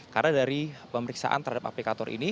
karena dari pemeriksaan terhadap aplikator ini